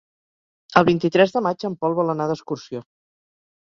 El vint-i-tres de maig en Pol vol anar d'excursió.